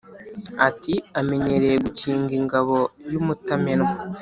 Ati amenyereye gukinga ingabo y’umutamenwa,